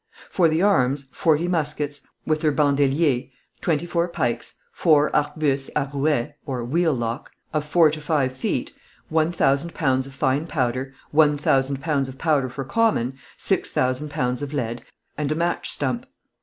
"For the arms: Forty musquets, with their bandaliers, twenty four pikes, four arquebuses à rouet [wheel lock] of four to five feet, one thousand pounds of fine powder, one thousand pounds of powder for common, six thousand pounds of lead, and a match stump.